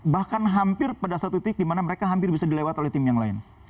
bahkan hampir pada satu titik di mana mereka hampir bisa dilewat oleh tim yang lain